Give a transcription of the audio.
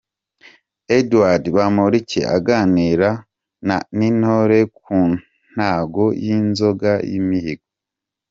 Edouard Bamporiki aganirira n’ intore ku ntago y’ inzoga y’ imihigo.